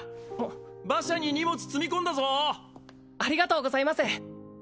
馬車に荷物積み込んだぞありがとうございます